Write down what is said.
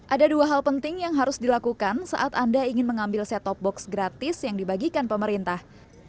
ada dua hal penting yang harus dilakukan saat anda ingin mengambil set top box gratis yang dibagikan pemerintah